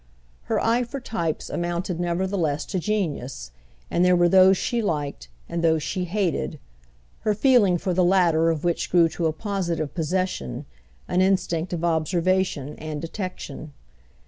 Her eye for types amounted nevertheless to genius, and there were those she liked and those she hated, her feeling for the latter of which grew to a positive possession, an instinct of observation and detection.